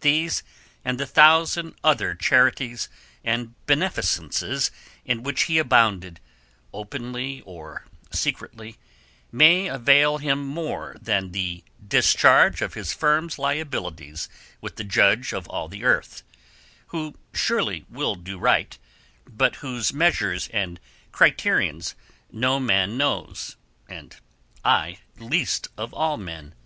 These and the thousand other charities and beneficences in which he abounded, openly or secretly, may avail him more than the discharge of his firm's liabilities with the Judge of all the Earth, who surely will do right, but whose measures and criterions no man knows, and I least of all men.